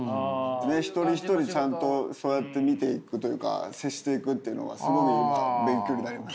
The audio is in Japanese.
一人一人ちゃんとそうやって見ていくというか接していくっていうのはすごく今勉強になりました。